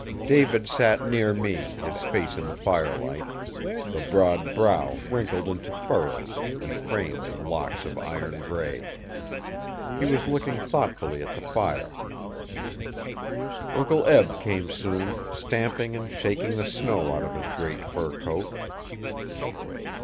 David sat near me, his face in the firelight the broad brow wrinkled into furrows and framed in locks of iron grey. He was looking thoughtfully at the fire. Uncle Eb came soon, stamping and shaking the snow out of his great fur coat.